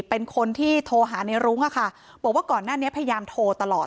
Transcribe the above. เป็นคนที่โทรหาในรุ้งอะค่ะบอกว่าก่อนหน้านี้พยายามโทรตลอด